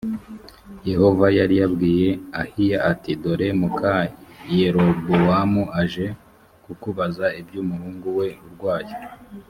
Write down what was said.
yehova yari yabwiye ahiya ati dore muka yerobowamu aje kukubaza iby umuhungu we urwaye